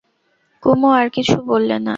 কুমু আর কিছু বললে না।